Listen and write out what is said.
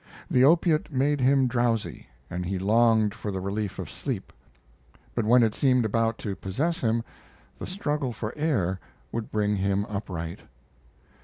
The opiate made him drowsy, and he longed for the relief of sleep; but when it seemed about to possess him the struggle for air would bring him upright.